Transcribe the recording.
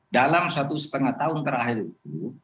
dalam satu setengah tahun terakhir itu